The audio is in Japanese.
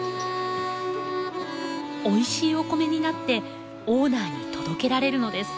おいしいお米になってオーナーに届けられるのです。